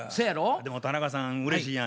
でも田中さんうれしいやん。